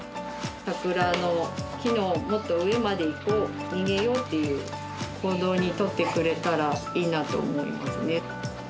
桜の木のもっと上まで行こう、逃げようっていう行動に取ってくれたらいいなと思いますね。